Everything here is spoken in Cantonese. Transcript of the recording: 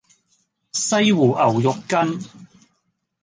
西湖牛肉羹